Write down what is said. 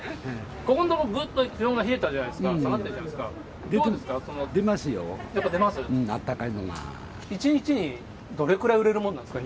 ここのところ、ぐっと気温が冷えたじゃないですか、下がってるじゃないですか。